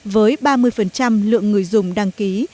với ba mươi lượng người dùng đăng ký